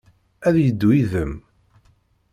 Ad d-yeddu yid-m?